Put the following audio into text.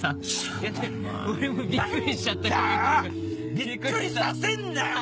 びっくりさせんなよお前。